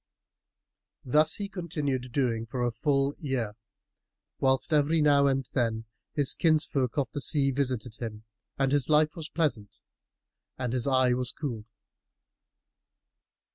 Thus he continued doing for a full year, whilst, every now and then, his kinsfolk of the sea visited him, and his life was pleasant and his eye was cooled.